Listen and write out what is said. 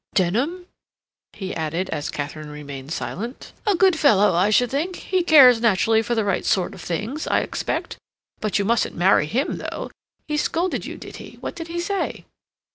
Denham?" he added, as Katharine remained silent. "A good fellow, I should think. He cares, naturally, for the right sort of things, I expect. But you mustn't marry him, though. He scolded you, did he—what did he say?"